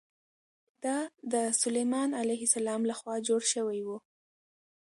دا د سلیمان علیه السلام له خوا جوړ شوی و.